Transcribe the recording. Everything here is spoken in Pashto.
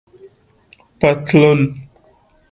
👖پطلون